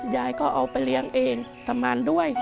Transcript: ยายก็เอาไปเลี้ยงเองทำงานด้วย